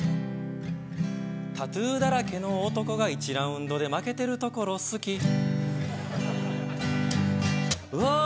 タトゥーだらけの男が１ラウンドで負けてるところ好き。